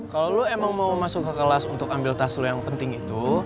kalo lo emang mau masuk ke kelas untuk ambil tasu yang penting itu